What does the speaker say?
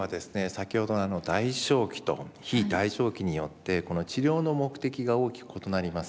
先ほどの代償期と非代償期によって治療の目的が大きく異なります。